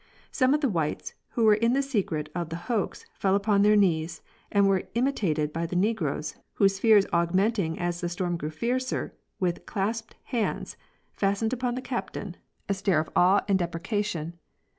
Some of the whites, who were in the secret of the hoax, fell upon their knees, and were imitated by the negroes, whose fears augmenting as the storm grew fiercer, with clasped hands, fastened upon the Captain a stare of 4 Espey's Plan. 51 awe and deprecation.